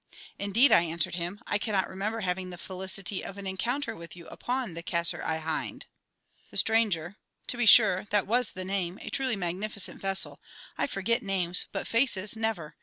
"Indeed," I answered him, "I cannot remember having the felicity of an encounter with you upon the Kaisar i Hind." The Stranger: "To be sure; that was the name! A truly magnificent vessel! I forget names but faces, never!